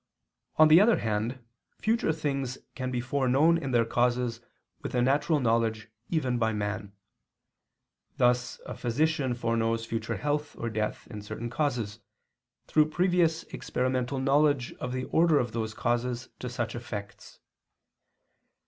On the other hand, future things can be foreknown in their causes with a natural knowledge even by man: thus a physician foreknows future health or death in certain causes, through previous experimental knowledge of the order of those causes to such effects.